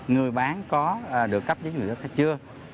người bán có được cấp giá trị pháp lý của người dân chưa